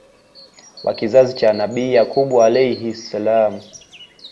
wa kizazi cha Nabii Yaquub Alayhis Salaam